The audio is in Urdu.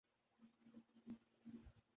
نتیجہ بھی انشاء اﷲ اچھا ہو گا۔